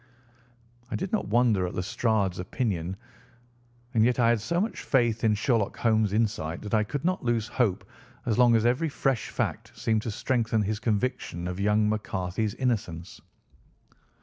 I did not wonder at Lestrade's opinion, and yet I had so much faith in Sherlock Holmes' insight that I could not lose hope as long as every fresh fact seemed to strengthen his conviction of young McCarthy's innocence.